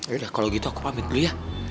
yaudah kalau gitu aku pamit dulu ya